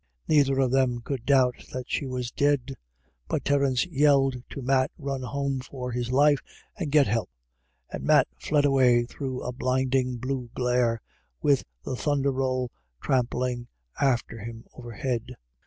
Neither of them could doubt that she was dead, but Terence yelled to Matt to run home for his life and get help ; and Matt fled away through a blinding blue glare, with the thunder roll tramp ling after him overhead.